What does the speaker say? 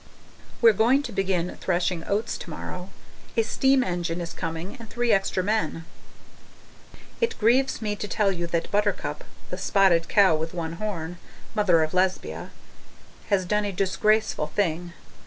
We're going to begin threshing oats tomorrow; a steam engine is coming and three extra men. It grieves me to tell you that Buttercup (the spotted cow with one horn, Mother of Lesbia) has done a disgraceful thing.